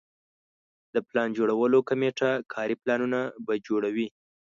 د پلان جوړولو کمیټه کاري پلانونه به جوړوي.